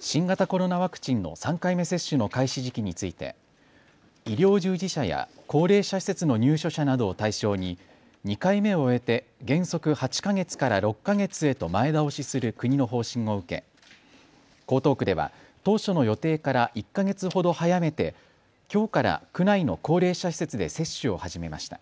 新型コロナワクチンの３回目接種の開始時期について医療従事者や高齢者施設の入所者などを対象に２回目を終えて原則８か月から６か月へと前倒しする国の方針を受け江東区では当初の予定から１か月ほど早めてきょうから区内の高齢者施設で接種を始めました。